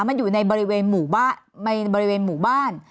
มันอยู่ในบริเวณหมู่บ้าน